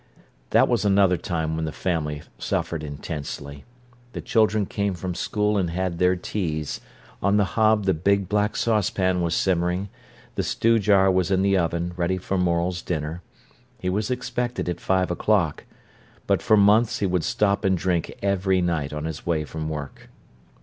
That was another time when the family suffered intensely. The children came from school and had their teas. On the hob the big black saucepan was simmering, the stew jar was in the oven, ready for Morel's dinner. He was expected at five o'clock. But for months he would stop and drink every night on his way from work.